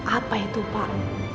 apa itu pak